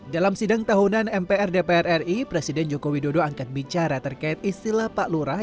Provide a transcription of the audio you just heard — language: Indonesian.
dalam sidang tahunan mpr dpr ri presiden joko widodo angkat bicara terkait istilah pak lurah